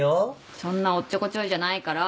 そんなおっちょこちょいじゃないから。